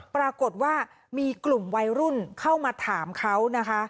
ปรากฏว่ามีกลุ่มวัยรุ่นเข้ามาถามเขานะคะ